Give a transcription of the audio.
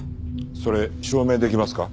それ証明できますか？